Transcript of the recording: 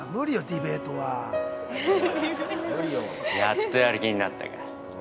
◆やっとやる気になったか。